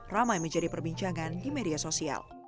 ramai menjadi perbincangan di media sosial